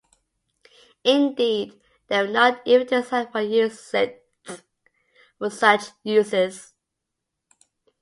Indeed, they were not even designed for such uses.